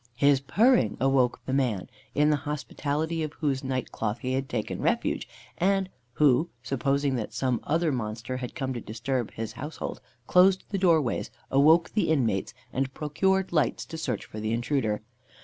His purring awoke the man, in the hospitality of whose night cloth he had taken refuge, and who, supposing that some other monster had come to disturb his household, closed the doorways, awoke the inmates, and procured lights to search for the intruder.